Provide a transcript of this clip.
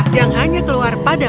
yang hanya keluar padamu